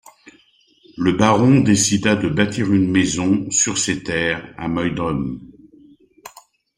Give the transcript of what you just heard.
Le Baron décida de bâtir une maison sur ses terres à Moydrum.